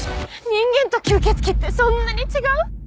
人間と吸血鬼ってそんなに違う？